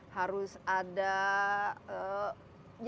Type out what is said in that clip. harus ada yang jauh efeknya ya